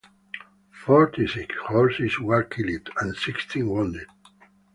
Forty-six horses were killed, and sixteen wounded.